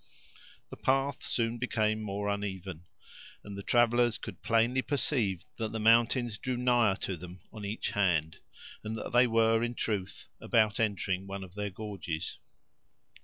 The path soon became more uneven, and the travelers could plainly perceive that the mountains drew nigher to them on each hand, and that they were, in truth, about entering one of their gorges.